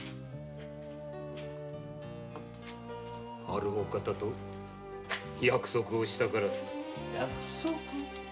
あるお方と約束をしたからだ。